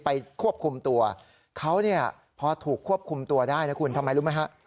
ควบคุมตัวเขาเนี่ยพอถูกควบคุมตัวได้นะคุณทำไมรู้ไหมฮะ